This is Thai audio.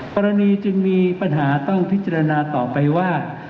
กรณีจึงมีปัญหาต้องพิจารณาต่อไปว่า